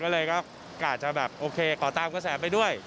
ก็เลยก็กะจะแบบโอเคขอตามกระแสไปด้วย